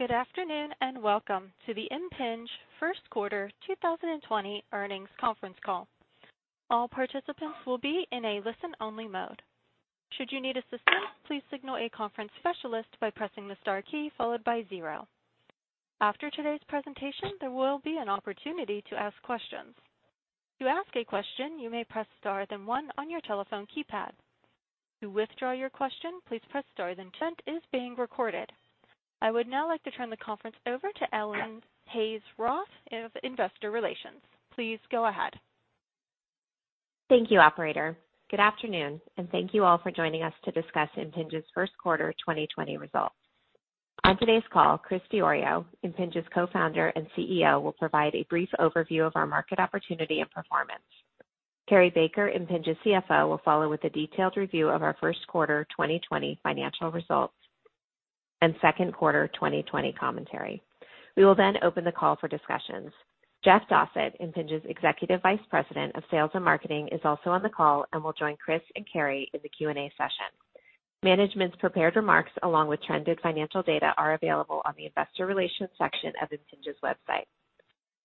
Good afternoon and welcome to the Impinj First Quarter 2020 Earnings Conference Call. All participants will be in a listen-only mode. Should you need assistance, please signal a conference specialist by pressing the star key followed by zero. After today's presentation, there will be an opportunity to ask questions. To ask a question, you may press star then one on your telephone keypad. To withdraw your question, please press star then. Is being recorded. I would now like to turn the conference over to Ellen Hayes-Roth of Investor Relations. Please go ahead. Thank you, Operator. Good afternoon, and thank you all for joining us to discuss Impinj's First Quarter 2020 results. On today's call, Chris Diorio, Impinj's Co-founder and CEO, will provide a brief overview of our market opportunity and performance. Cary Baker, Impinj's CFO, will follow with a detailed review of our First Quarter 2020 financial results and Second Quarter 2020 commentary. We will then open the call for discussions. Jeff Dossett, Impinj's Executive Vice President of Sales and Marketing, is also on the call and will join Chris and Cary in the Q&A session. Management's prepared remarks along with trended financial data are available on the Investor Relations section of Impinj's website.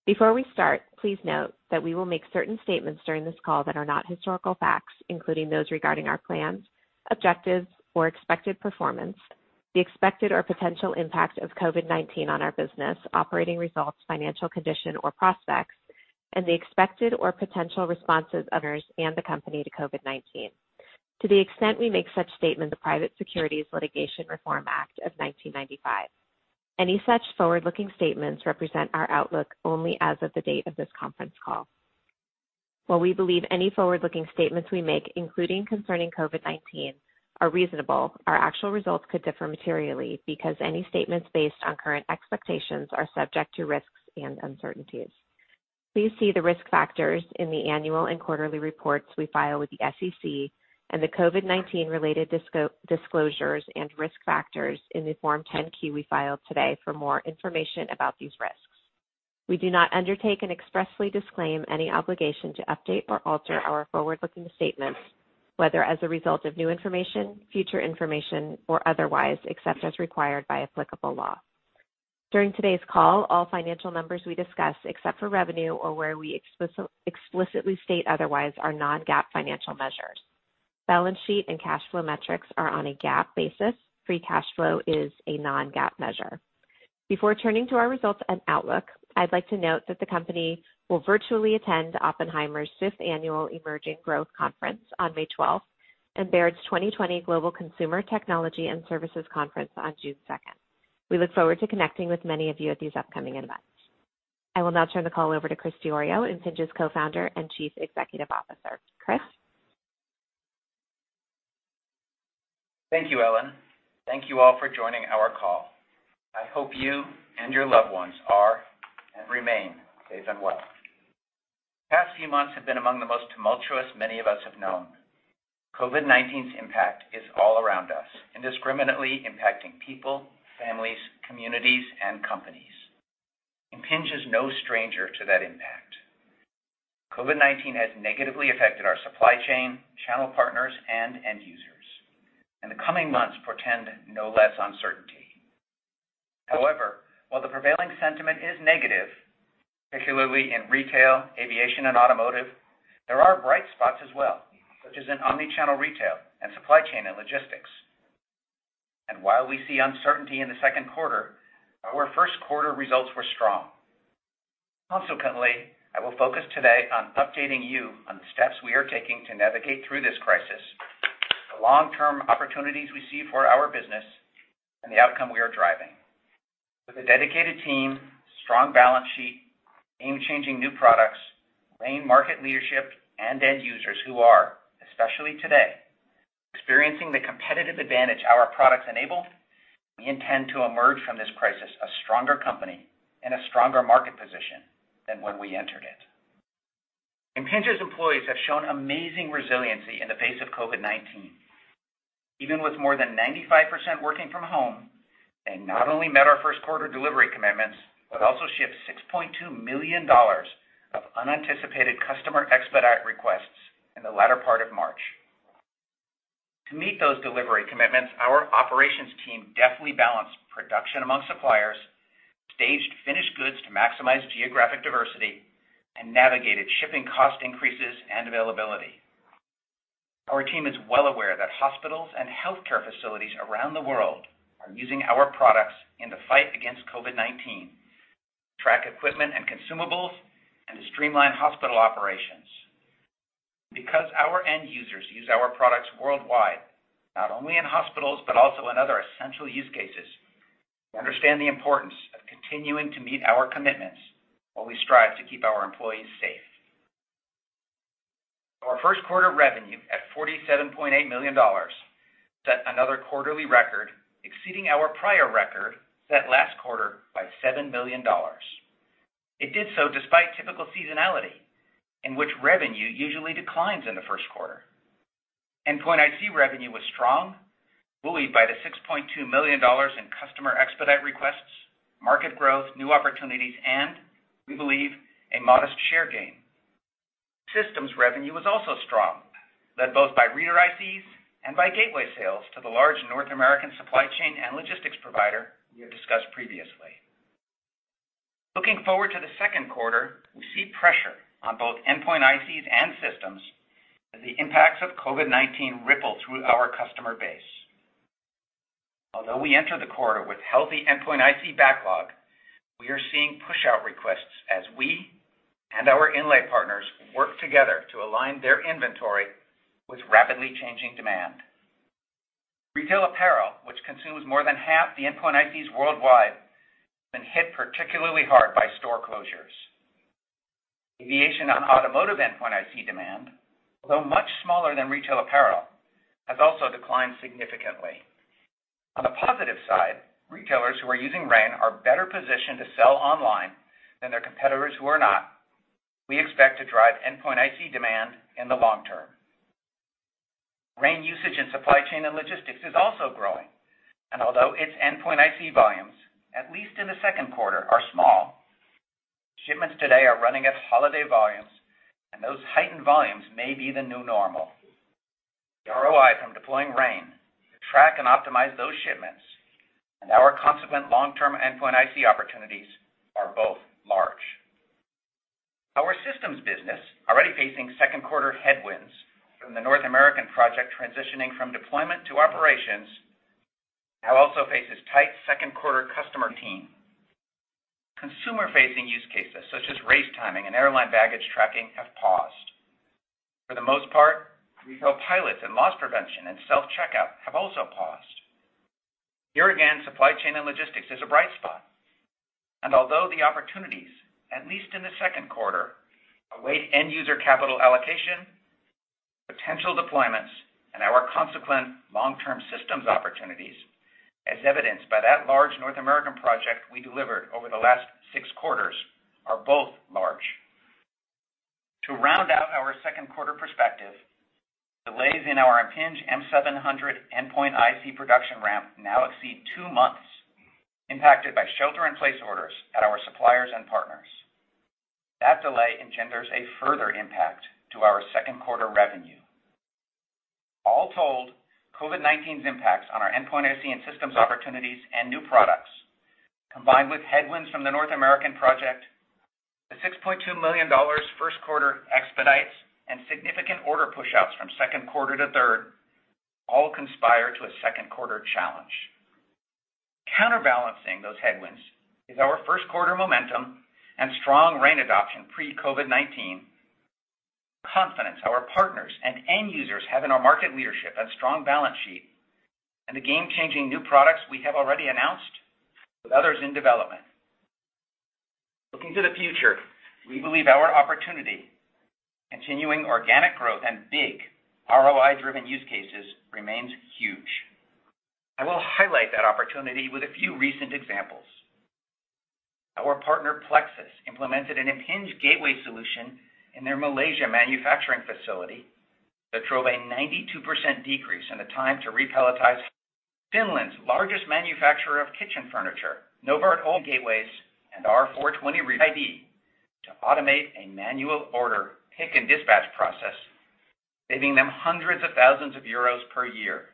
Before we start, please note that we will make certain statements during this call that are not historical facts, including those regarding our plans, objectives, or expected performance, the expected or potential impact of COVID-19 on our business, operating results, financial condition, or prospects, and the expected or potential responses of owners and the company to COVID-19. To the extent we make such statements, the Private Securities Litigation Reform Act of 1995. Any such forward-looking statements represent our outlook only as of the date of this conference call. While we believe any forward-looking statements we make, including concerning COVID-19, are reasonable, our actual results could differ materially because any statements based on current expectations are subject to risks and uncertainties. Please see the risk factors in the annual and quarterly reports we file with the SEC and the COVID-19-related disclosures and risk factors in the Form 10-Q we filed today for more information about these risks. We do not undertake and expressly disclaim any obligation to update or alter our forward-looking statements, whether as a result of new information, future information, or otherwise, except as required by applicable law. During today's call, all financial numbers we discuss, except for revenue or where we explicitly state otherwise, are non-GAAP financial measures. Balance sheet and cash flow metrics are on a GAAP basis. Free cash flow is a non-GAAP measure. Before turning to our results and outlook, I'd like to note that the company will virtually attend Oppenheimer's fifth annual Emerging Growth Conference on May 12th and Baird's 2020 Global Consumer Technology and Services Conference on June 2nd. We look forward to connecting with many of you at these upcoming events. I will now turn the call over to Chris Diorio, Impinj's co-founder and Chief Executive Officer. Chris. Thank you, Ellen. Thank you all for joining our call. I hope you and your loved ones are and remain safe and well. The past few months have been among the most tumultuous many of us have known. COVID-19's impact is all around us, indiscriminately impacting people, families, communities, and companies. Impinj is no stranger to that impact. COVID-19 has negatively affected our supply chain, channel partners, and end users, and the coming months portend no less uncertainty. However, while the prevailing sentiment is negative, particularly in retail, aviation, and automotive, there are bright spots as well, such as in omnichannel retail and supply chain and logistics. And while we see uncertainty in the second quarter, our first quarter results were strong. Consequently, I will focus today on updating you on the steps we are taking to navigate through this crisis, the long-term opportunities we see for our business, and the outcome we are driving. With a dedicated team, strong balance sheet, game-changing new products, and market leadership and end users who are, especially today, experiencing the competitive advantage our products enable, we intend to emerge from this crisis a stronger company in a stronger market position than when we entered it. Impinj's employees have shown amazing resiliency in the face of COVID-19. Even with more than 95% working from home, they not only met our first quarter delivery commitments but also shipped $6.2 million of unanticipated customer expedite requests in the latter part of March. To meet those delivery commitments, our operations team deftly balanced production among suppliers, staged finished goods to maximize geographic diversity, and navigated shipping cost increases and availability. Our team is well aware that hospitals and healthcare facilities around the world are using our products in the fight against COVID-19 to track equipment and consumables and to streamline hospital operations. Because our end users use our products worldwide, not only in hospitals but also in other essential use cases, we understand the importance of continuing to meet our commitments while we strive to keep our employees safe. Our first quarter revenue, at $47.8 million, set another quarterly record, exceeding our prior record set last quarter by $7 million. It did so despite typical seasonality, in which revenue usually declines in the first quarter. Endpoint IC revenue was strong, buoyed by the $6.2 million in customer expedite requests, market growth, new opportunities, and, we believe, a modest share gain. Systems revenue was also strong, led both by reader ICs and by gateway sales to the large North American supply chain and logistics provider we have discussed previously. Looking forward to the second quarter, we see pressure on both endpoint ICs and systems as the impacts of COVID-19 ripple through our customer base. Although we enter the quarter with healthy endpoint IC backlog, we are seeing push-out requests as we and our inlay partners work together to align their inventory with rapidly changing demand. Retail apparel, which consumes more than half the endpoint ICs worldwide, has been hit particularly hard by store closures. Aviation and automotive endpoint IC demand, although much smaller than retail apparel, has also declined significantly. On the positive side, retailers who are using RAIN are better positioned to sell online than their competitors who are not. We expect to drive endpoint IC demand in the long term. RAIN usage in supply chain and logistics is also growing, and although its endpoint IC volumes, at least in the second quarter, are small, shipments today are running at holiday volumes, and those heightened volumes may be the new normal. The ROI from deploying RAIN to track and optimize those shipments and our consequent long-term endpoint IC opportunities are both large. Our systems business, already facing second quarter headwinds from the North American project transitioning from deployment to operations, now also faces tight second quarter customer team. Consumer-facing use cases such as race timing and airline baggage tracking have paused. For the most part, retail pilots and loss prevention and self-checkout have also paused. Here again, supply chain and logistics is a bright spot, and although the opportunities, at least in the second quarter, await end user capital allocation, potential deployments, and our consequent long-term systems opportunities, as evidenced by that large North American project we delivered over the last six quarters, are both large. To round out our second quarter perspective, delays in our Impinj M700 endpoint IC production ramp now exceed two months, impacted by shelter-in-place orders at our suppliers and partners. That delay engenders a further impact to our second quarter revenue. All told, COVID-19's impacts on our endpoint IC and systems opportunities and new products, combined with headwinds from the North American project, the $6.2 million first quarter expedites, and significant order push-outs from second quarter to third, all conspire to a second quarter challenge. Counterbalancing those headwinds is our first quarter momentum and strong RAIN adoption pre-COVID-19, confidence our partners and end users have in our market leadership and strong balance sheet, and the game-changing new products we have already announced with others in development. Looking to the future, we believe our opportunity, continuing organic growth and big ROI-driven use cases, remains huge. I will highlight that opportunity with a few recent examples. Our partner Plexus implemented an Impinj gateway solution in their Malaysia manufacturing facility that drove a 92% decrease in the time to repalletize Finland's largest manufacturer of kitchen furniture, Novart. Gateways and R420 ready to automate a manual order pick and dispatch process, saving them hundreds of thousands of euros per year.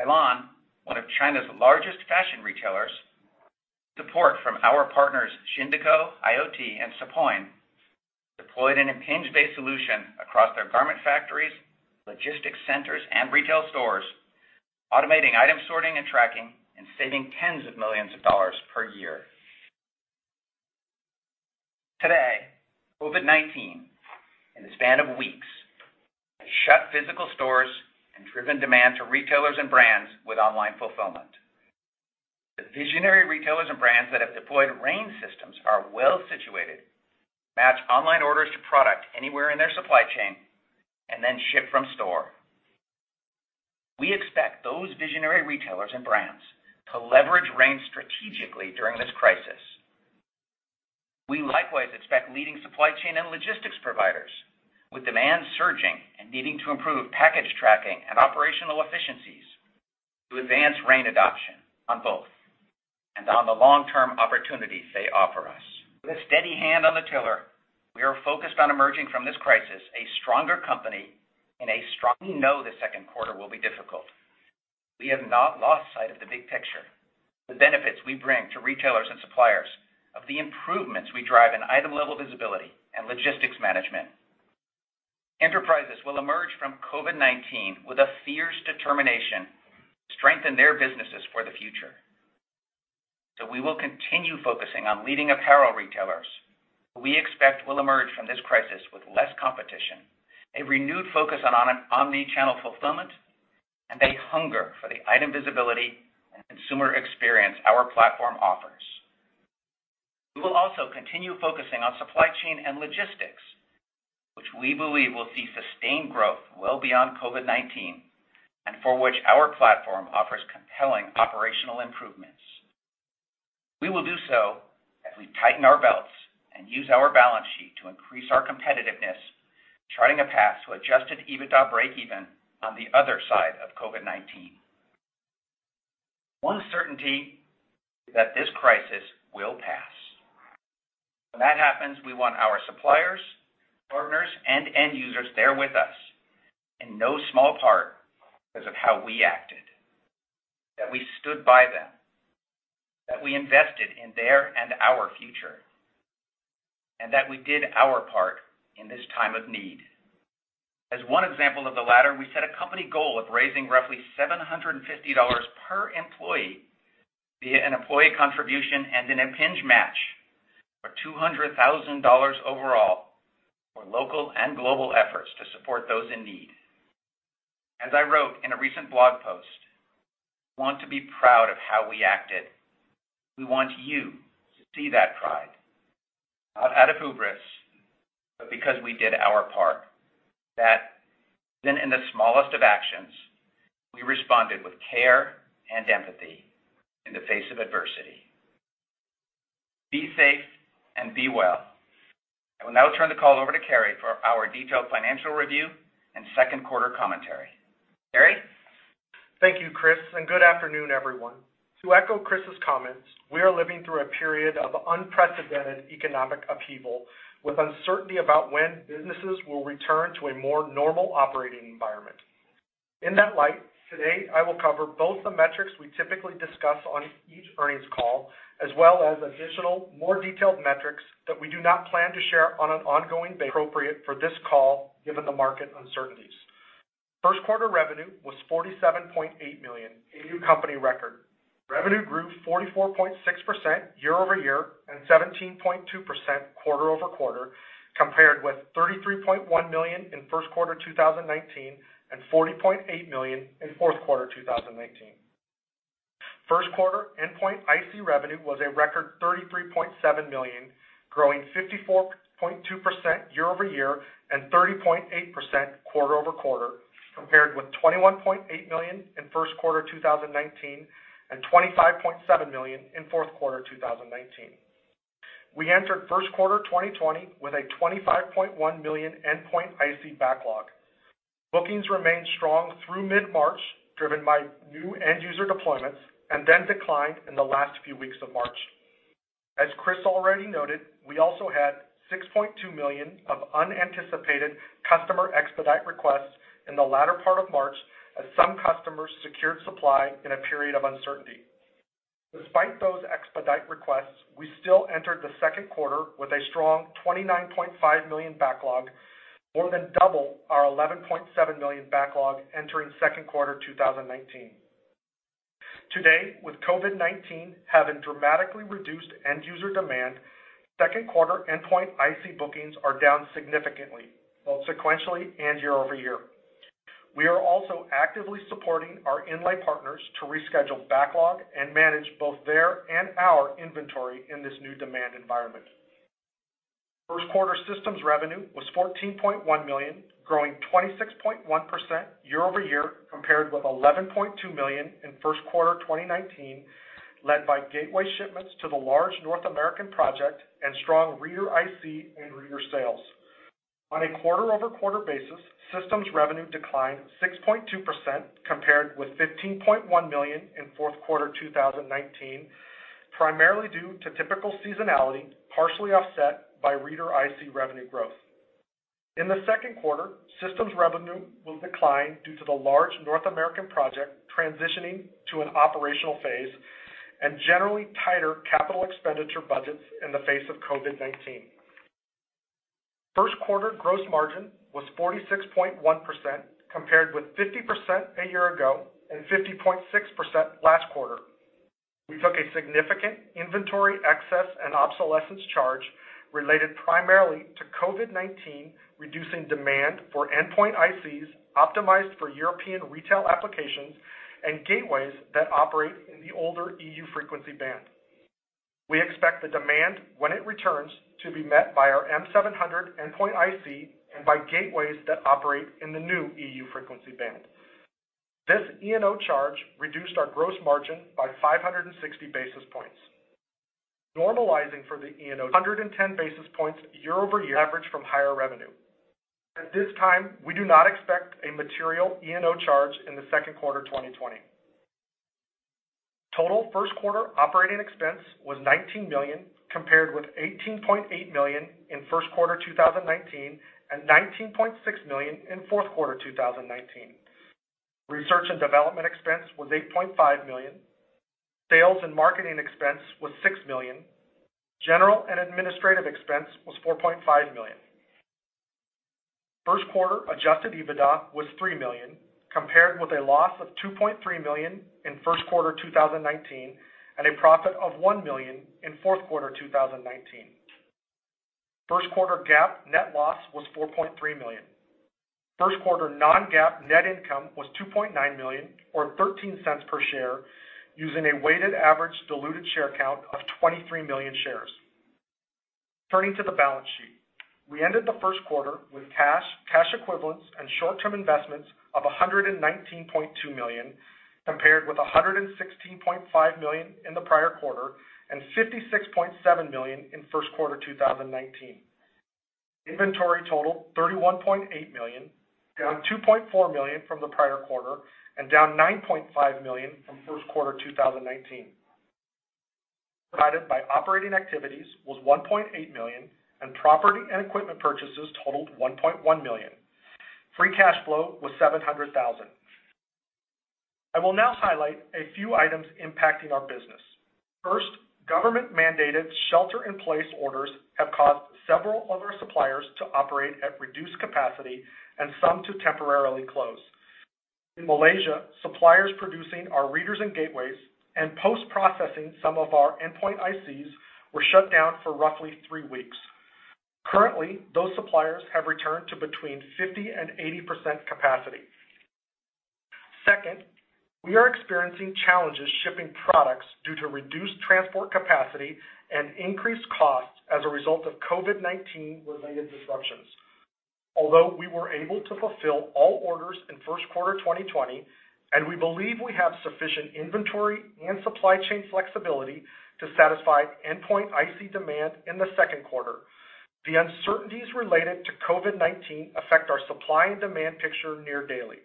Heilan Home, one of China's largest fashion retailers, with support from our partners Xindeco IoT and Supoin, deployed an Impinj-based solution across their garment factories, logistics centers, and retail stores, automating item sorting and tracking and saving tens of millions of dollars per year. Today, COVID-19, in the span of weeks, has shut physical stores and driven demand to retailers and brands with online fulfillment. The visionary retailers and brands that have deployed RAIN systems are well situated, match online orders to product anywhere in their supply chain, and then ship from store. We expect those visionary retailers and brands to leverage RAIN strategically during this crisis. We likewise expect leading supply chain and logistics providers, with demand surging and needing to improve package tracking and operational efficiencies, to advance RAIN adoption on both and on the long-term opportunities they offer us. With a steady hand on the tiller, we are focused on emerging from this crisis a stronger company in a stronger future. We know the second quarter will be difficult. We have not lost sight of the big picture, the benefits we bring to retailers and suppliers, of the improvements we drive in item-level visibility and logistics management. Enterprises will emerge from COVID-19 with a fierce determination to strengthen their businesses for the future, so we will continue focusing on leading apparel retailers, who we expect will emerge from this crisis with less competition, a renewed focus on omnichannel fulfillment, and a hunger for the item visibility and consumer experience our platform offers. We will also continue focusing on supply chain and logistics, which we believe will see sustained growth well beyond COVID-19 and for which our platform offers compelling operational improvements. We will do so as we tighten our belts and use our balance sheet to increase our competitiveness, charting a path to Adjusted EBITDA break-even on the other side of COVID-19. One certainty is that this crisis will pass. When that happens, we want our suppliers, partners, and end users there with us, in no small part because of how we acted, that we stood by them, that we invested in their and our future, and that we did our part in this time of need. As one example of the latter, we set a company goal of raising roughly $750 per employee via an employee contribution and an Impinj match for $200,000 overall for local and global efforts to support those in need. As I wrote in a recent blog post, we want to be proud of how we acted. We want you to see that pride, not out of hubris, but because we did our part, that even in the smallest of actions, we responded with care and empathy in the face of adversity. Be safe and be well. I will now turn the call over to Cary for our detailed financial review and second quarter commentary. Cary? Thank you, Chris, and good afternoon, everyone. To echo Chris's comments, we are living through a period of unprecedented economic upheaval with uncertainty about when businesses will return to a more normal operating environment. In that light, today, I will cover both the metrics we typically discuss on each earnings call, as well as additional, more detailed metrics that we do not plan to share on an ongoing basis appropriate for this call given the market uncertainties. First quarter revenue was $47.8 million, a new company record. Revenue grew 44.6% year over year and 17.2% quarter over quarter, compared with $33.1 million in first quarter 2019 and $40.8 million in fourth quarter 2019. First quarter Endpoint IC revenue was a record $33.7 million, growing 54.2% year over year and 30.8% quarter over quarter, compared with $21.8 million in first quarter 2019 and $25.7 million in fourth quarter 2019. We entered first quarter 2020 with a $25.1 million endpoint IC backlog. Bookings remained strong through mid-March, driven by new end user deployments, and then declined in the last few weeks of March. As Chris already noted, we also had $6.2 million of unanticipated customer expedite requests in the latter part of March as some customers secured supply in a period of uncertainty. Despite those expedite requests, we still entered the second quarter with a strong $29.5 million backlog, more than double our $11.7 million backlog entering second quarter 2019. Today, with COVID-19 having dramatically reduced end user demand, second quarter endpoint IC bookings are down significantly, both sequentially and year over year. We are also actively supporting our inlay partners to reschedule backlog and manage both their and our inventory in this new demand environment. First quarter systems revenue was $14.1 million, growing 26.1% year over year compared with $11.2 million in first quarter 2019, led by gateway shipments to the large North American project and strong reader IC and reader sales. On a quarter-over-quarter basis, systems revenue declined 6.2% compared with $15.1 million in fourth quarter 2019, primarily due to typical seasonality, partially offset by reader IC revenue growth. In the second quarter, systems revenue will decline due to the large North American project transitioning to an operational phase and generally tighter capital expenditure budgets in the face of COVID-19. First quarter gross margin was 46.1% compared with 50% a year ago and 50.6% last quarter. We took a significant inventory excess and obsolescence charge related primarily to COVID-19 reducing demand for endpoint ICs optimized for European retail applications and gateways that operate in the older EU frequency band. We expect the demand, when it returns, to be met by our M700 endpoint IC and by gateways that operate in the new EU frequency band. This E&O charge reduced our gross margin by 560 basis points, normalizing for the E&O 110 basis points year over year average from higher revenue. At this time, we do not expect a material E&O charge in the second quarter 2020. Total first quarter operating expense was $19 million, compared with $18.8 million in first quarter 2019 and $19.6 million in fourth quarter 2019. Research and development expense was $8.5 million. Sales and marketing expense was $6 million. General and administrative expense was $4.5 million. First quarter Adjusted EBITDA was $3 million, compared with a loss of $2.3 million in first quarter 2019 and a profit of $1 million in fourth quarter 2019. First quarter GAAP net loss was $4.3 million. First quarter non-GAAP net income was $2.9 million, or $0.13 per share, using a weighted average diluted share count of 23 million shares. Turning to the balance sheet, we ended the first quarter with cash, cash equivalents, and short-term investments of $119.2 million, compared with $116.5 million in the prior quarter and $56.7 million in first quarter 2019. Inventory totaled $31.8 million, down $2.4 million from the prior quarter, and down $9.5 million from first quarter 2019. Provided by operating activities was $1.8 million, and property and equipment purchases totaled $1.1 million. Free cash flow was $700,000. I will now highlight a few items impacting our business. First, government-mandated shelter-in-place orders have caused several of our suppliers to operate at reduced capacity and some to temporarily close. In Malaysia, suppliers producing our readers and gateways and post-processing some of our endpoint ICs were shut down for roughly three weeks. Currently, those suppliers have returned to between 50%-80% capacity. Second, we are experiencing challenges shipping products due to reduced transport capacity and increased costs as a result of COVID-19-related disruptions. Although we were able to fulfill all orders in first quarter 2020, and we believe we have sufficient inventory and supply chain flexibility to satisfy Endpoint IC demand in the second quarter, the uncertainties related to COVID-19 affect our supply and demand picture near daily.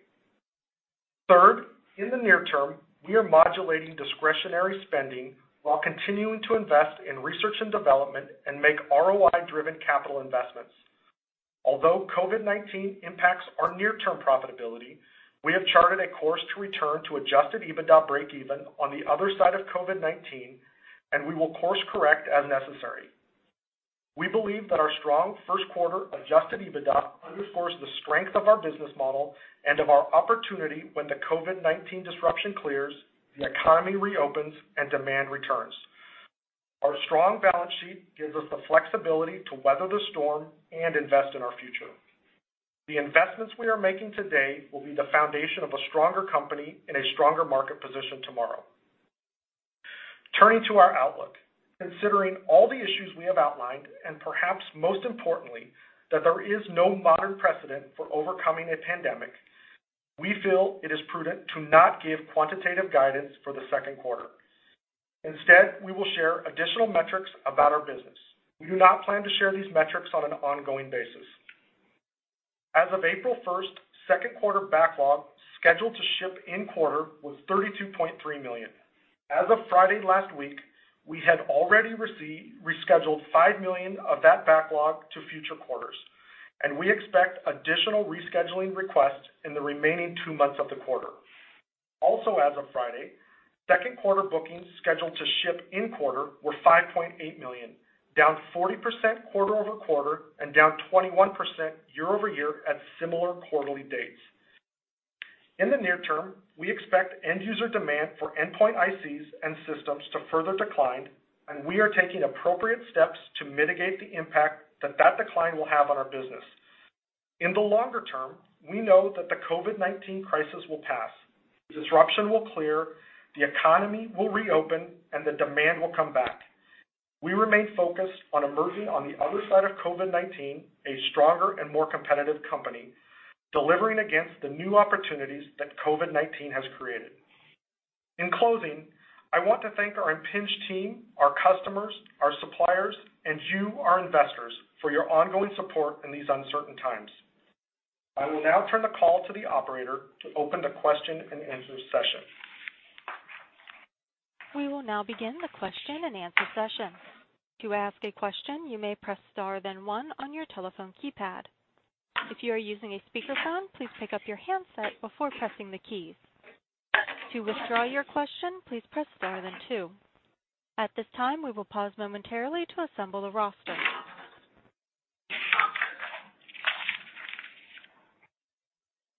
Third, in the near term, we are modulating discretionary spending while continuing to invest in research and development and make ROI-driven capital investments. Although COVID-19 impacts our near-term profitability, we have charted a course to return to Adjusted EBITDA break-even on the other side of COVID-19, and we will course-correct as necessary. We believe that our strong first quarter Adjusted EBITDA underscores the strength of our business model and of our opportunity when the COVID-19 disruption clears, the economy reopens, and demand returns. Our strong balance sheet gives us the flexibility to weather the storm and invest in our future. The investments we are making today will be the foundation of a stronger company in a stronger market position tomorrow. Turning to our outlook, considering all the issues we have outlined and perhaps most importantly, that there is no modern precedent for overcoming a pandemic, we feel it is prudent to not give quantitative guidance for the second quarter. Instead, we will share additional metrics about our business. We do not plan to share these metrics on an ongoing basis. As of April 1st, second quarter backlog scheduled to ship in quarter was $32.3 million. As of Friday last week, we had already rescheduled $5 million of that backlog to future quarters, and we expect additional rescheduling requests in the remaining two months of the quarter. Also, as of Friday, second quarter bookings scheduled to ship in quarter were $5.8 million, down 40% quarter over quarter and down 21% year over year at similar quarterly dates. In the near term, we expect end user demand for endpoint ICs and systems to further decline, and we are taking appropriate steps to mitigate the impact that that decline will have on our business. In the longer term, we know that the COVID-19 crisis will pass, the disruption will clear, the economy will reopen, and the demand will come back. We remain focused on emerging on the other side of COVID-19, a stronger and more competitive company, delivering against the new opportunities that COVID-19 has created. In closing, I want to thank our Impinj team, our customers, our suppliers, and you, our investors, for your ongoing support in these uncertain times. I will now turn the call to the operator to open the question and answer session. We will now begin the question and answer session. To ask a question, you may press star then one on your telephone keypad. If you are using a speakerphone, please pick up your handset before pressing the keys. To withdraw your question, please press star then two. At this time, we will pause momentarily to assemble the roster,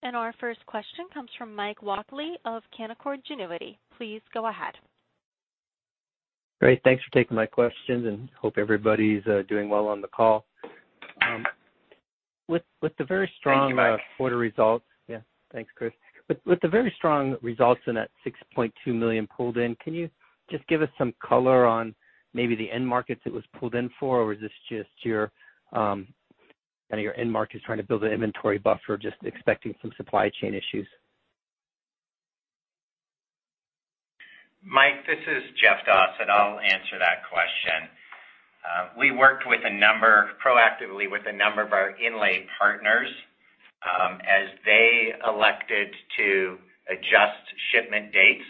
and our first question comes from Mike Walkley of Canaccord Genuity. Please go ahead. Great. Thanks for taking my questions, and hope everybody's doing well on the call. With the very strong quarter results, yeah, thanks, Chris, with the very strong results in that $6.2 million pulled in, can you just give us some color on maybe the end markets it was pulled in for, or is this just kind of your end markets trying to build an inventory buffer, just expecting some supply chain issues? Mike, this is Jeff Dossett, and I'll answer that question. We worked proactively with a number of our inlay partners as they elected to adjust shipment dates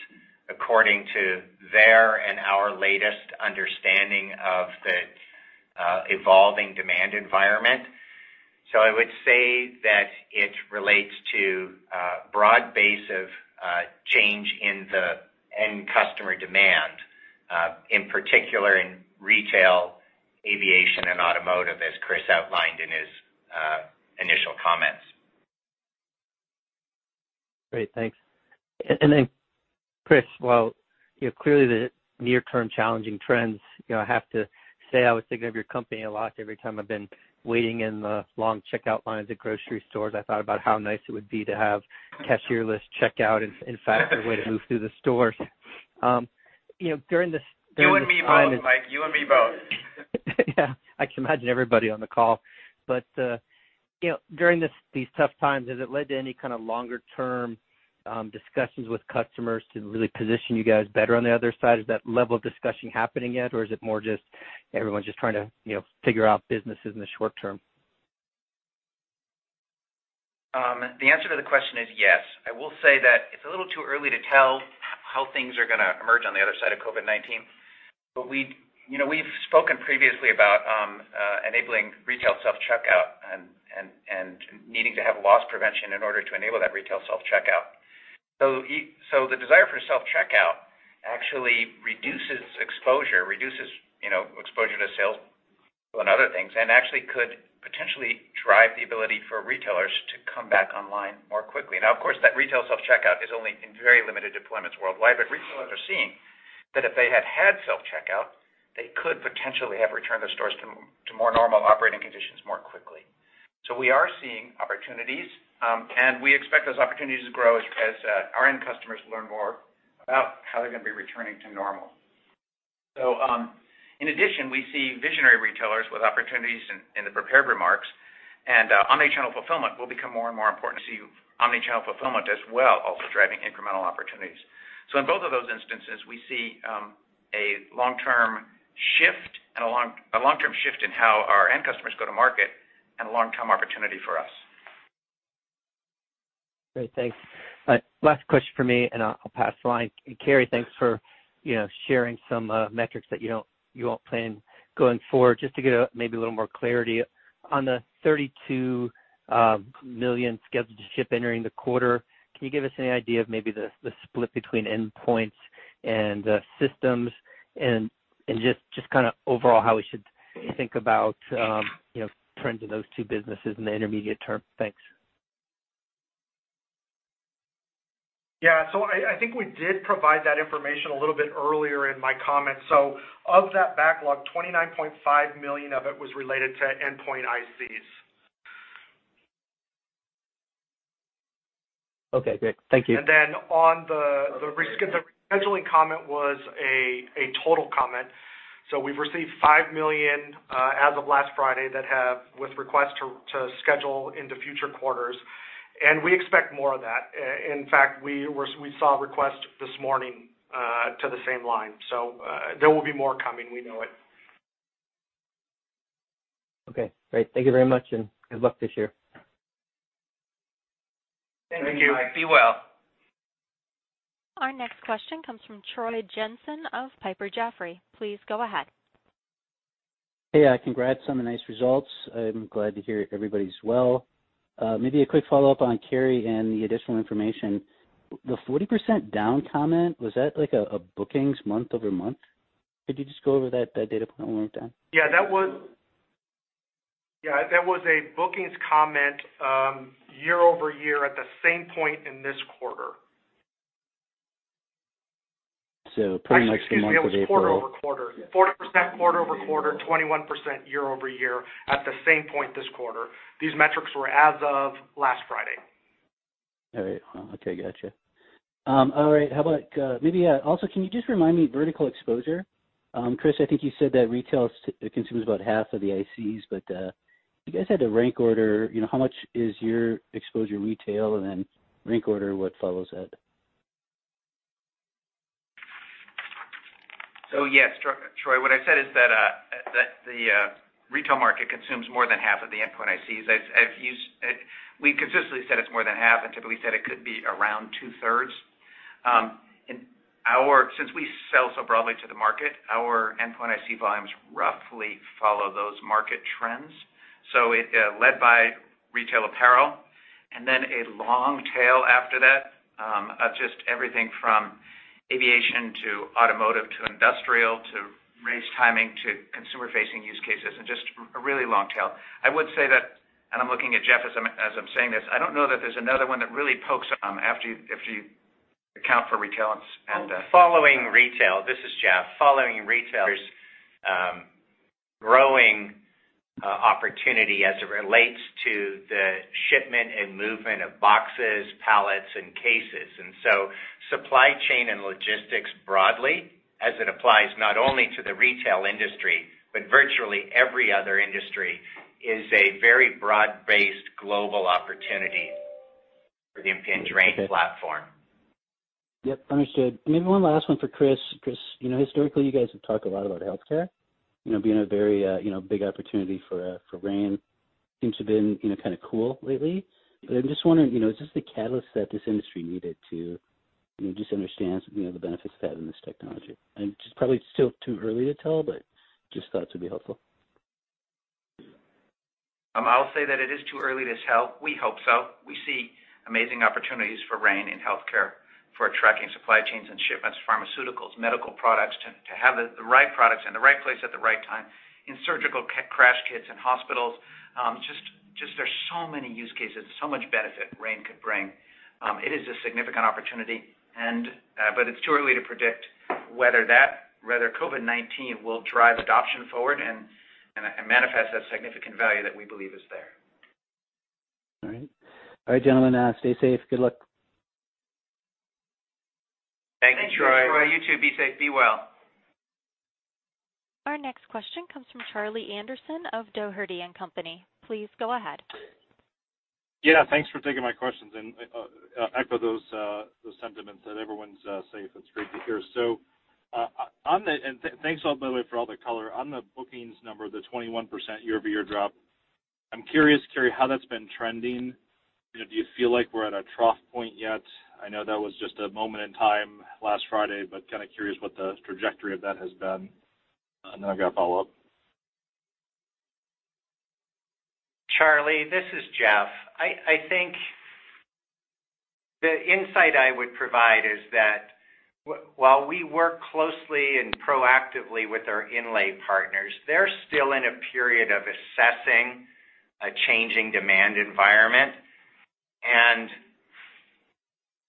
according to their and our latest understanding of the evolving demand environment. So I would say that it relates to a broad base of change in the end customer demand, in particular in retail, aviation, and automotive, as Chris outlined in his initial comments. Great. Thanks. And then, Chris, while clearly the near-term challenging trends, I have to say I was thinking of your company a lot every time I've been waiting in the long checkout lines at grocery stores. I thought about how nice it would be to have cashierless checkout and, in fact, a way to move through the stores. During this. You and me both, Mike. You and me both. Yeah. I can imagine everybody on the call. But during these tough times, has it led to any kind of longer-term discussions with customers to really position you guys better on the other side? Is that level of discussion happening yet, or is it more just everyone's trying to figure out businesses in the short term? The answer to the question is yes. I will say that it's a little too early to tell how things are going to emerge on the other side of COVID-19. But we've spoken previously about enabling retail self-checkout and needing to have loss prevention in order to enable that retail self-checkout. So the desire for self-checkout actually reduces exposure, reduces exposure to sales and other things, and actually could potentially drive the ability for retailers to come back online more quickly. Now, of course, that retail self-checkout is only in very limited deployments worldwide, but retailers are seeing that if they had had self-checkout, they could potentially have returned the stores to more normal operating conditions more quickly. So we are seeing opportunities, and we expect those opportunities to grow as our end customers learn more about how they're going to be returning to normal. So in addition, we see visionary retailers with opportunities in the prepared remarks, and omnichannel fulfillment will become more and more important. See omnichannel fulfillment as well also driving incremental opportunities. So in both of those instances, we see a long-term shift and a long-term shift in how our end customers go to market and a long-term opportunity for us. Great. Thanks. Last question for me, and I'll pass the line. Cary, thanks for sharing some metrics that you do plan going forward. Just to get maybe a little more clarity, on the $32 million scheduled to ship entering the quarter, can you give us an idea of maybe the split between endpoints and systems and just kind of overall how we should think about trends in those two businesses in the intermediate term? Thanks. Yeah. So I think we did provide that information a little bit earlier in my comments. So of that backlog, $29.5 million of it was related to endpoint ICs. Okay. Great. Thank you. And then on the rescheduling comment was a total comment. So we've received $5 million as of last Friday with requests to schedule into future quarters, and we expect more of that. In fact, we saw a request this morning to the same line. So there will be more coming. We know it. Okay. Great. Thank you very much, and good luck this year. Thank you, Mike. Thank you. Be well. Our next question comes from Troy Jensen of Piper Jaffray. Please go ahead. Hey. Congrats on the nice results. I'm glad to hear everybody's well. Maybe a quick follow-up on Cary and the additional information. The 40% down comment, was that a bookings month over month? Could you just go over that data point one more time? Yeah. Yeah. That was a bookings comment year over year at the same point in this quarter. So pretty much the month over quarter. 20% quarter over quarter, 40% quarter over quarter, 21% year over year at the same point this quarter. These metrics were as of last Friday. All right. Okay. Gotcha. All right. Maybe also, can you just remind me of vertical exposure? Chris, I think you said that retail consumes about half of the ICs, but you guys had to rank order how much is your exposure retail, and then rank order what follows that? Yes, Troy, what I said is that the retail market consumes more than half of the endpoint ICs. We've consistently said it's more than half and typically said it could be around two-thirds. Since we sell so broadly to the market, our endpoint IC volumes roughly follow those market trends. Led by retail apparel, and then a long tail after that of just everything from aviation to automotive to industrial to race timing to consumer-facing use cases, and just a really long tail. I would say that, and I'm looking at Jeff as I'm saying this, I don't know that there's another one that really pokes after you account for retail and. Following retail, this is Jeff. Following retailers' growing opportunity as it relates to the shipment and movement of boxes, pallets, and cases. Supply chain and logistics broadly, as it applies not only to the retail industry but virtually every other industry, is a very broad-based global opportunity for the Impinj RAIN platform. Yep. Understood. Maybe one last one for Chris. Chris, historically, you guys have talked a lot about healthcare, being a very big opportunity for RAIN. Seems to have been kind of cool lately. But I'm just wondering, is this the catalyst that this industry needed to just understand the benefits of having this technology? And it's probably still too early to tell, but just thoughts would be helpful. I'll say that it is too early to tell. We hope so. We see amazing opportunities for RAIN in healthcare for tracking supply chains and shipments, pharmaceuticals, medical products, to have the right products in the right place at the right time in surgical crash kits in hospitals. Just there's so many use cases, so much benefit RAIN could bring. It is a significant opportunity, but it's too early to predict whether COVID-19 will drive adoption forward and manifest that significant value that we believe is there. All right. All right, gentlemen. Stay safe. Good luck. Thank you, Troy. Thank you, Troy. You too. Be safe. Be well. Our next question comes from Charlie Anderson of Dougherty & Company. Please go ahead. Yeah. Thanks for taking my questions and echo those sentiments that everyone's safe. It's great to hear, and thanks all, by the way, for all the color. On the bookings number, the 21% year-over-year drop, I'm curious, Cary, how that's been trending. Do you feel like we're at a trough point yet? I know that was just a moment in time last Friday, but kind of curious what the trajectory of that has been. And then I've got a follow-up. Charlie, this is Jeff. I think the insight I would provide is that while we work closely and proactively with our inlay partners, they're still in a period of assessing a changing demand environment, and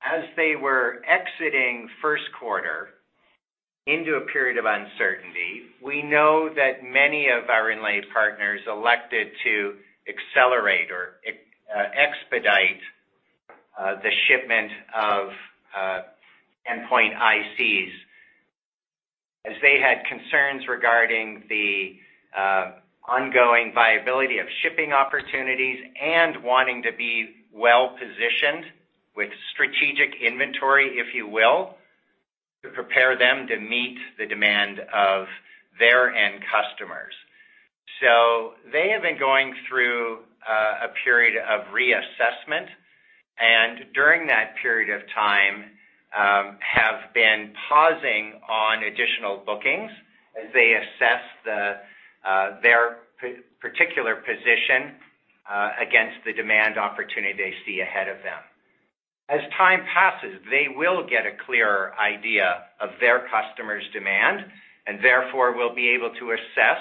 as they were exiting first quarter into a period of uncertainty, we know that many of our inlay partners elected to accelerate or expedite the shipment of endpoint ICs as they had concerns regarding the ongoing viability of shipping opportunities and wanting to be well-positioned with strategic inventory, if you will, to prepare them to meet the demand of their end customers, so they have been going through a period of reassessment, and during that period of time, have been pausing on additional bookings as they assess their particular position against the demand opportunity they see ahead of them. As time passes, they will get a clearer idea of their customers' demand, and therefore, will be able to assess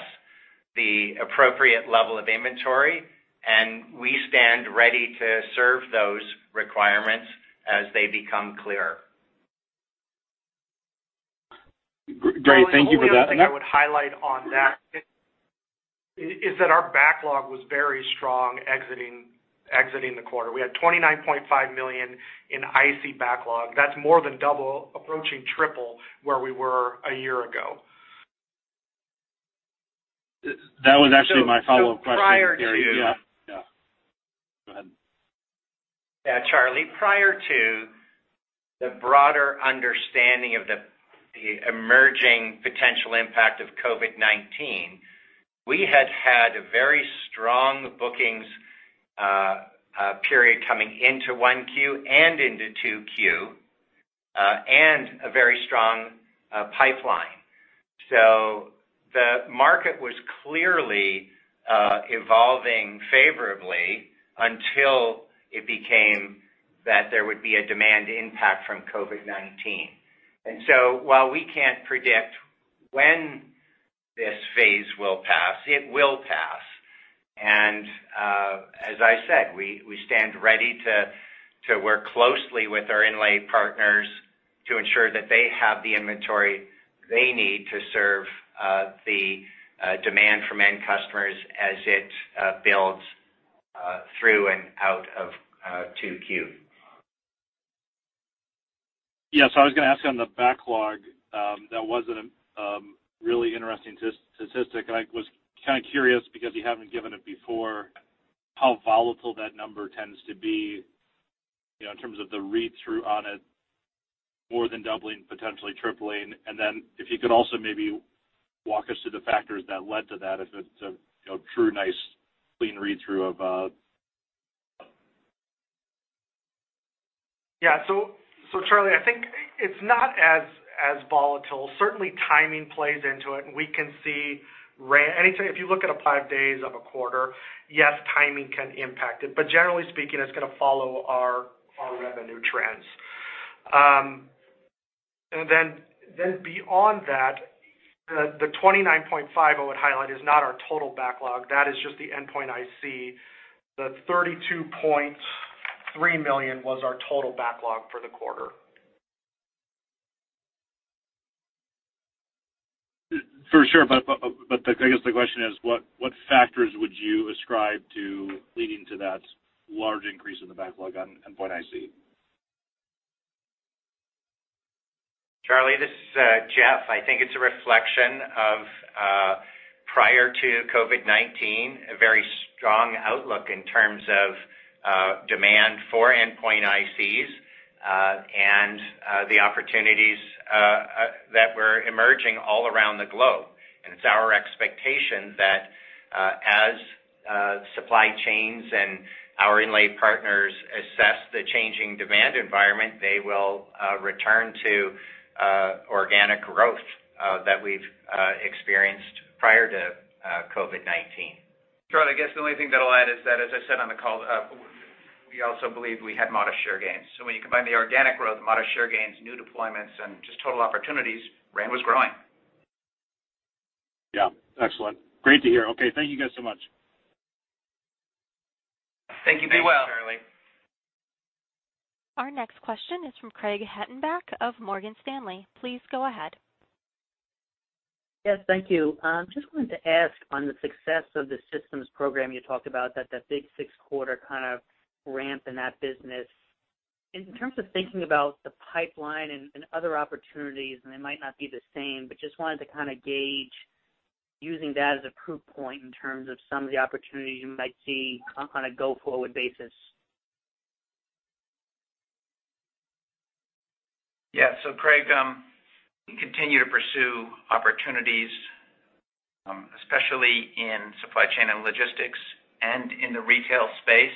the appropriate level of inventory, and we stand ready to serve those requirements as they become clearer. Great. Thank you for that. And I think I would highlight on that is that our backlog was very strong exiting the quarter. We had $29.5 million in IC backlog. That's more than double, approaching triple, where we were a year ago. That was actually my follow-up question. Prior to—yeah. Go ahead. Yeah. Charlie, prior to the broader understanding of the emerging potential impact of COVID-19, we had had a very strong bookings period coming into 1Q and into 2Q and a very strong pipeline. So the market was clearly evolving favorably until it became that there would be a demand impact from COVID-19. And so while we can't predict when this phase will pass, it will pass. And as I said, we stand ready to work closely with our inlay partners to ensure that they have the inventory they need to serve the demand from end customers as it builds through and out of 2Q. Yeah. So I was going to ask on the backlog. That wasn't a really interesting statistic. And I was kind of curious because you haven't given it before how volatile that number tends to be in terms of the read-through on it, more than doubling, potentially tripling. And then if you could also maybe walk us through the factors that led to that if it's a true nice clean read-through of. Yeah, so Charlie, I think it's not as volatile. Certainly, timing plays into it, and we can see if you look at five days of a quarter, yes, timing can impact it. But generally speaking, it's going to follow our revenue trends. And then beyond that, the $29.5 million I would highlight is not our total backlog. That is just the Endpoint IC. The $32.3 million was our total backlog for the quarter. For sure. But I guess the question is, what factors would you ascribe to leading to that large increase in the backlog on Endpoint IC? Charlie, this is Jeff. I think it's a reflection of, prior to COVID-19, a very strong outlook in terms of demand for endpoint ICs and the opportunities that were emerging all around the globe. And it's our expectation that as supply chains and our inlay partners assess the changing demand environment, they will return to organic growth that we've experienced prior to COVID-19. Troy, I guess the only thing that I'll add is that, as I said on the call, we also believe we had modest share gains. So when you combine the organic growth, modest share gains, new deployments, and just total opportunities, RAIN was growing. Yeah. Excellent. Great to hear. Okay. Thank you guys so much. Thank you. Be well. Thank you, Charlie. Our next question is from Craig Hettenbach of Morgan Stanley. Please go ahead. Yes. Thank you. I just wanted to ask on the success of the systems program you talked about, that big six-quarter kind of ramp in that business. In terms of thinking about the pipeline and other opportunities, and they might not be the same, but just wanted to kind of gauge using that as a proof point in terms of some of the opportunities you might see on a go-forward basis. Yeah. So Craig, we continue to pursue opportunities, especially in supply chain and logistics and in the retail space.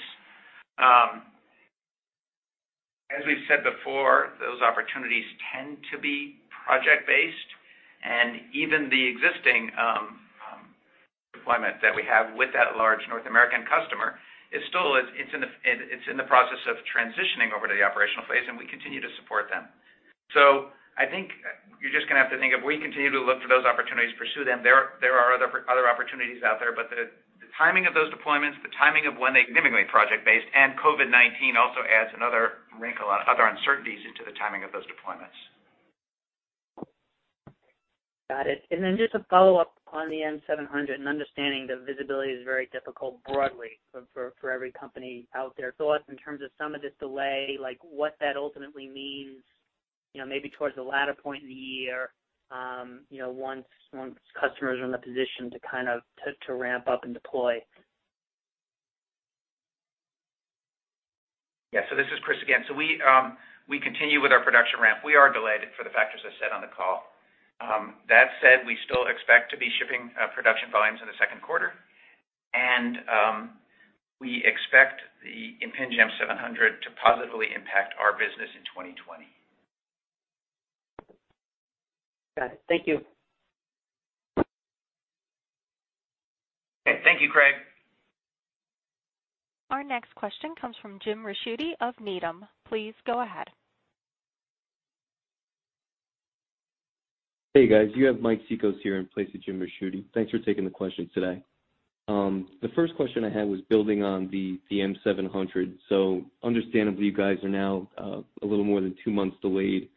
As we've said before, those opportunities tend to be project-based, and even the existing deployment that we have with that large North American customer is still in the process of transitioning over to the operational phase, and we continue to support them, so I think you're just going to have to think of we continue to look for those opportunities, pursue them. There are other opportunities out there, but the timing of those deployments, the timing of when they're significantly project-based and COVID-19 also adds another wrinkle on other uncertainties into the timing of those deployments. Got it. And then just a follow-up on the M700 and understanding the visibility is very difficult broadly for every company out there. Thoughts in terms of some of this delay, what that ultimately means maybe towards the latter point of the year once customers are in the position to kind of ramp up and deploy? Yeah. So this is Chris again, so we continue with our production ramp. We are delayed for the factors I said on the call. That said, we still expect to be shipping production volumes in the second quarter, and we expect the Impinj M700 to positively impact our business in 2020. Got it. Thank you. Okay. Thank you, Craig. Our next question comes from Jim Ricchiuti of Needham. Please go ahead. Hey, guys. You have Mike Cikos here in place of Jim Ricchiuti. Thanks for taking the questions today. The first question I had was building on the M700. So understandably, you guys are now a little more than two months delayed.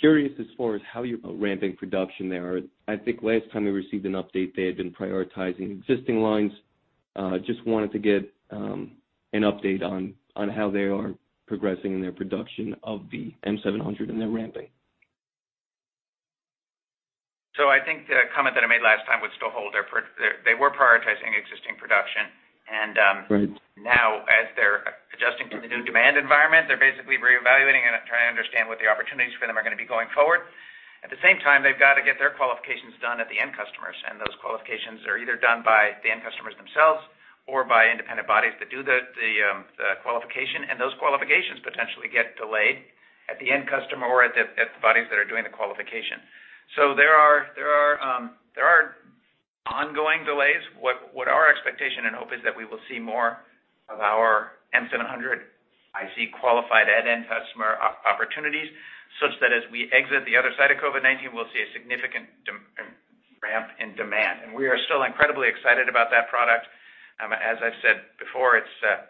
Curious as far as how you're ramping production there. I think last time we received an update, they had been prioritizing existing lines. Just wanted to get an update on how they are progressing in their production of the M700 and their ramping. I think the comment that I made last time would still hold. They were prioritizing existing production. Now, as they're adjusting to the new demand environment, they're basically reevaluating and trying to understand what the opportunities for them are going to be going forward. At the same time, they've got to get their qualifications done at the end customers. Those qualifications are either done by the end customers themselves or by independent bodies that do the qualification. Those qualifications potentially get delayed at the end customer or at the bodies that are doing the qualification. There are ongoing delays. Our expectation and hope is that we will see more of our M700 IC qualified at end-customer opportunities such that as we exit the other side of COVID-19, we'll see a significant ramp in demand. We are still incredibly excited about that product. As I've said before, it's the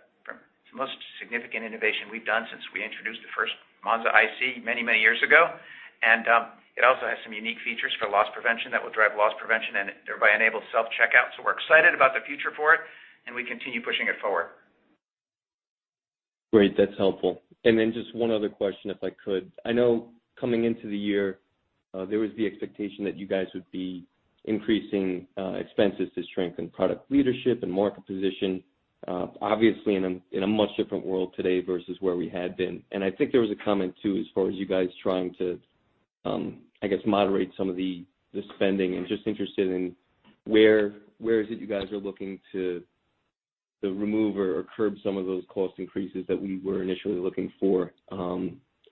most significant innovation we've done since we introduced the first Monza IC many, many years ago. And it also has some unique features for loss prevention that will drive loss prevention and thereby enable self-checkout. So we're excited about the future for it, and we continue pushing it forward. Great. That's helpful. And then just one other question, if I could. I know coming into the year, there was the expectation that you guys would be increasing expenses to strengthen product leadership and market position, obviously in a much different world today versus where we had been. And I think there was a comment too as far as you guys trying to, I guess, moderate some of the spending and just interested in where is it you guys are looking to remove or curb some of those cost increases that we were initially looking for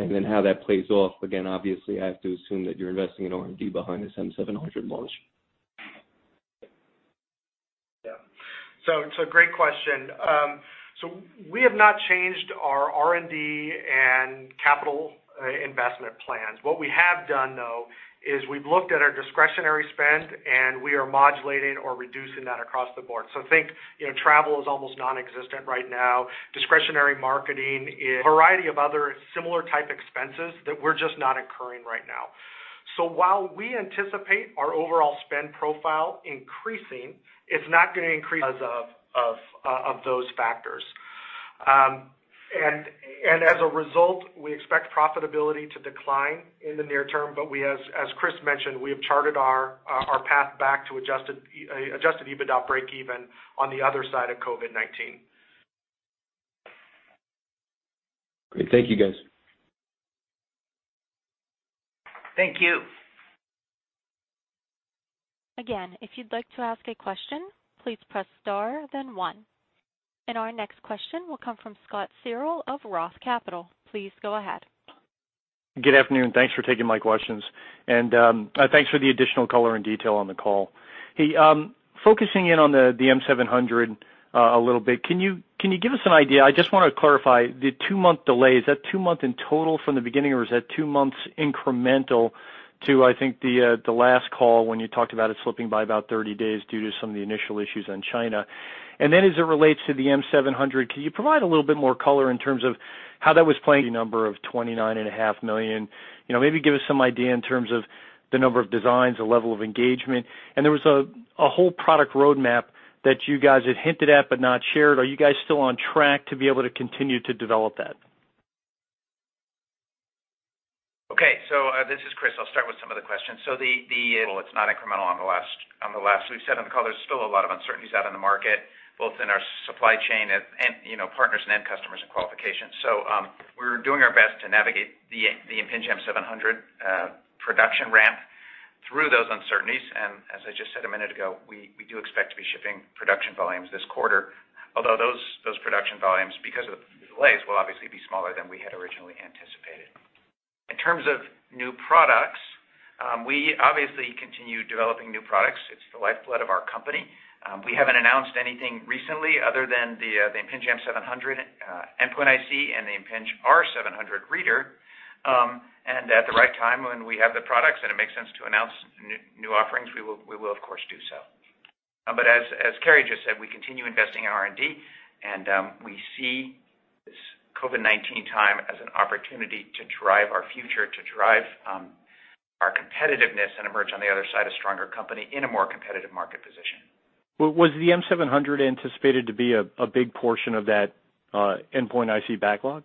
and then how that plays off. Again, obviously, I have to assume that you're investing in R&D behind this M700 launch. Yeah. So great question. So we have not changed our R&D and capital investment plans. What we have done, though, is we've looked at our discretionary spend, and we are modulating or reducing that across the board. So think travel is almost nonexistent right now. Discretionary marketing is a variety of other similar type expenses that we're just not incurring right now. So while we anticipate our overall spend profile increasing, it's not going to increase as of those factors. And as a result, we expect profitability to decline in the near term. But as Chris mentioned, we have charted our path back to Adjusted EBITDA break-even on the other side of COVID-19. Great. Thank you, guys. Thank you. Again, if you'd like to ask a question, please press star, then one. And our next question will come from Scott Searle of Roth Capital. Please go ahead. Good afternoon. Thanks for taking my questions and thanks for the additional color and detail on the call. Hey, focusing in on the M700 a little bit, can you give us an idea? I just want to clarify the two-month delay. Is that two months in total from the beginning, or is that two months incremental to, I think, the last call when you talked about it slipping by about 30 days due to some of the initial issues in China? And then as it relates to the M700, can you provide a little bit more color in terms of how that was playing? Number of 29.5 million. Maybe give us some idea in terms of the number of designs, the level of engagement. And there was a whole product roadmap that you guys had hinted at but not shared. Are you guys still on track to be able to continue to develop that? Okay. So this is Chris. I'll start with some of the questions. So it's not incremental on the last. We've said on the call, there's still a lot of uncertainties out in the market, both in our supply chain, partners, and end customers and qualifications. So we're doing our best to navigate the Impinj M700 production ramp through those uncertainties. And as I just said a minute ago, we do expect to be shipping production volumes this quarter, although those production volumes, because of the delays, will obviously be smaller than we had originally anticipated. In terms of new products, we obviously continue developing new products. It's the lifeblood of our company. We haven't announced anything recently other than the Impinj M700 endpoint IC and the Impinj R700 reader. And at the right time, when we have the products and it makes sense to announce new offerings, we will, of course, do so. But as Cary just said, we continue investing in R&D, and we see this COVID-19 time as an opportunity to drive our future, to drive our competitiveness, and emerge on the other side a stronger company in a more competitive market position. Was the M700 anticipated to be a big portion of that endpoint IC backlog?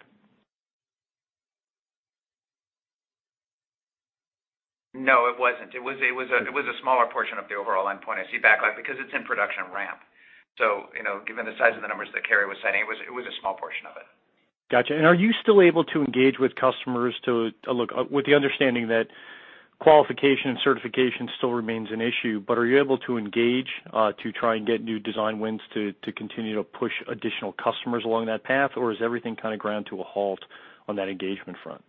No, it wasn't. It was a smaller portion of the overall endpoint IC backlog because it's in production ramp, so given the size of the numbers that Cary was citing, it was a small portion of it. Gotcha. And are you still able to engage with customers to work with the understanding that qualification and certification still remains an issue, but are you able to engage to try and get new design wins to continue to push additional customers along that path, or is everything kind of ground to a halt on that engagement front?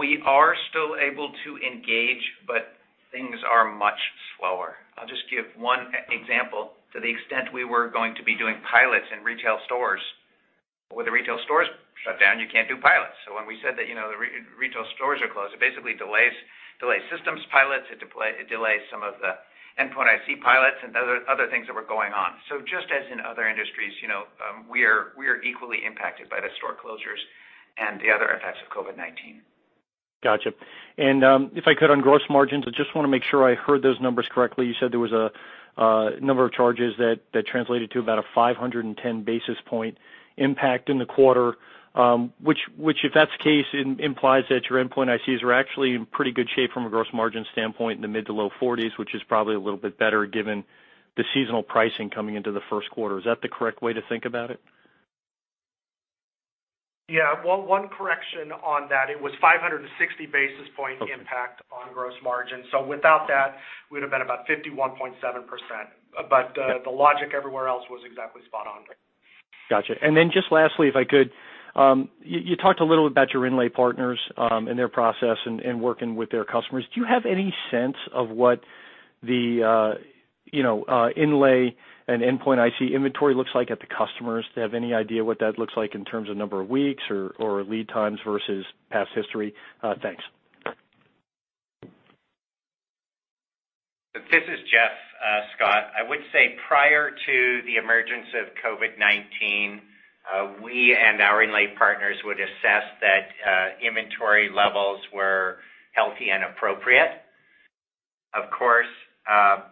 We are still able to engage, but things are much slower. I'll just give one example. To the extent we were going to be doing pilots in retail stores, with the retail stores shut down, you can't do pilots. So when we said that the retail stores are closed, it basically delays systems pilots. It delays some of the Endpoint IC pilots and other things that were going on. So just as in other industries, we are equally impacted by the store closures and the other effects of COVID-19. Gotcha. And if I could, on gross margins, I just want to make sure I heard those numbers correctly. You said there was a number of charges that translated to about a 510 basis point impact in the quarter, which, if that's the case, implies that your endpoint ICs are actually in pretty good shape from a gross margin standpoint in the mid- to low-40s, which is probably a little bit better given the seasonal pricing coming into the first quarter. Is that the correct way to think about it? Yeah. Well, one correction on that. It was 560 basis points impact on gross margin. So without that, we would have been about 51.7%. But the logic everywhere else was exactly spot on. Gotcha. And then just lastly, if I could, you talked a little bit about your inlay partners and their process and working with their customers. Do you have any sense of what the inlay and endpoint IC inventory looks like at the customers? Do you have any idea what that looks like in terms of number of weeks or lead times versus past history? Thanks. This is Jeff Dossett. I would say prior to the emergence of COVID-19, we and our inlay partners would assess that inventory levels were healthy and appropriate. Of course,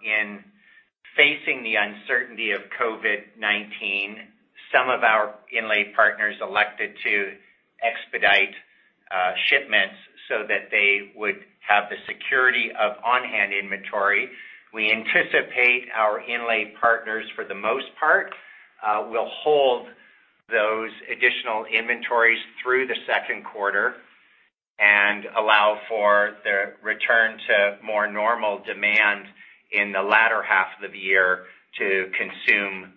in facing the uncertainty of COVID-19, some of our inlay partners elected to expedite shipments so that they would have the security of on-hand inventory. We anticipate our inlay partners, for the most part, will hold those additional inventories through the second quarter and allow for the return to more normal demand in the latter half of the year to consume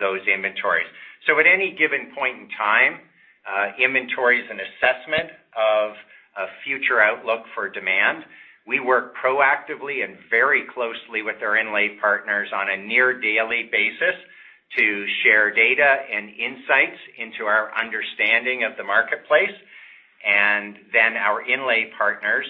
those inventories. So at any given point in time, inventories and assessment of a future outlook for demand, we work proactively and very closely with our inlay partners on a near daily basis to share data and insights into our understanding of the marketplace. And then our inlay partners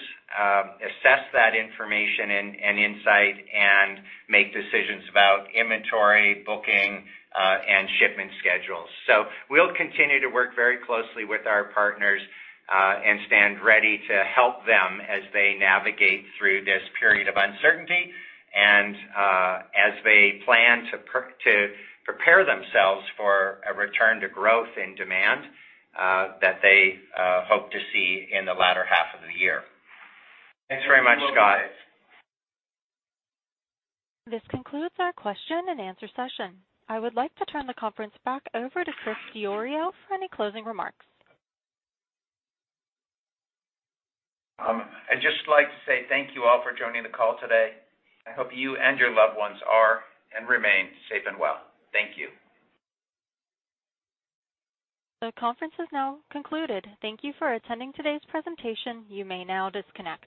assess that information and insight and make decisions about inventory, booking, and shipment schedules. So we'll continue to work very closely with our partners and stand ready to help them as they navigate through this period of uncertainty and as they plan to prepare themselves for a return to growth in demand that they hope to see in the latter half of the year. Thanks very much, Scott. This concludes our question and answer session. I would like to turn the conference back over to Chris Diorio for any closing remarks. I'd just like to say thank you all for joining the call today. I hope you and your loved ones are and remain safe and well. Thank you. The conference is now concluded. Thank you for attending today's presentation. You may now disconnect.